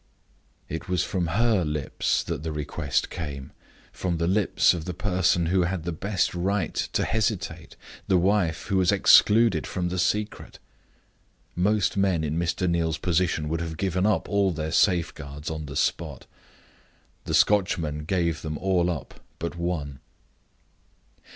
It was from her lips that the request came from the lips of the person who had the best right to hesitate, the wife who was excluded from the secret! Most men in Mr. Neal's position would have given up all their safeguards on the spot. The Scotchman gave them all up but one.